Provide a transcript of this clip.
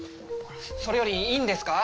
それよりいいんですか？